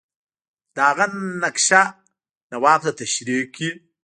د هغه نقشه نواب ته تشریح کړي.